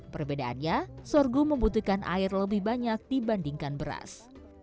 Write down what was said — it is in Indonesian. perbedaannya sorghum membutuhkan air lebih banyak dibandingkan beras